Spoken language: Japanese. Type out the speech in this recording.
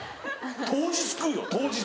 当日食うよ当日！